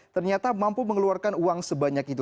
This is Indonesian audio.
ternyata mampu mengeluarkan uang sebanyak itu